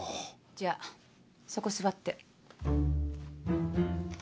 じゃあそこ座って。